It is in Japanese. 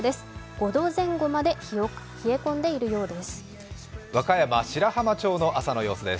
５度前後まで冷え込んでいるようです。